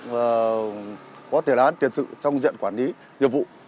và có thể là tiền sự trong diện quản lý nhiệm vụ